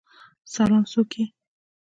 سلام، څوک یی؟